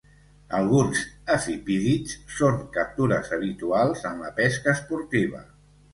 Alguns efipídids són captures habituals en la pesca esportiva.